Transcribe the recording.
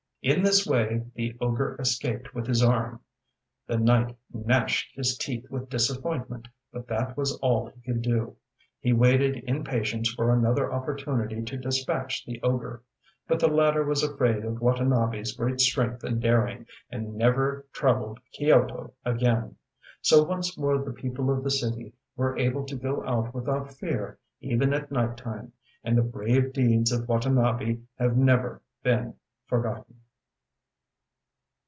In this way the ogre escaped with his arm. The knight gnashed his teeth with disappointment, but that was all he could do. He waited in patience for another opportunity to dispatch the ogre. But the latter was afraid of WatanabeŌĆÖs great strength and daring, and never troubled Kyoto again. So once more the people of the city were able to go out without fear even at night time, and the brave deeds of Watanabe have never been forgotten!